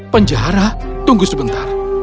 penjara tunggu sebentar